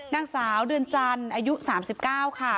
นางสาวเดือนจันทร์อายุ๓๙ค่ะ